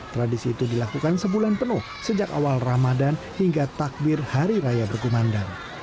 tradisi itu dilakukan sebulan penuh sejak awal ramadan hingga takbir hari raya berkumandang